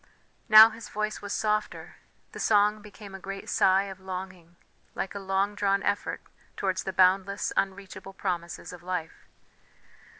Now his voice was softer; the song became a great sigh of longing, like a long drawn effort towards the boundless, unreachable promises of life.